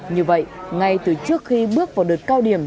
như vậy ngay từ trước khi bước vào đợt cao điểm